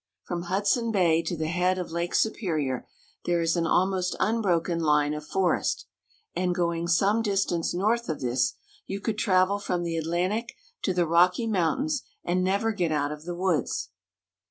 From Hudson Bay to the head of Lake Superior there is an almost unbroken line of forest ; and, going some distance north of this, you could travel from the Atlantic to the Rocky Mountains and never get out of the woods.